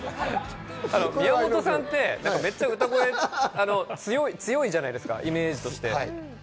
宮本さんってめっちゃ歌声、強いじゃないですか、イメージとして。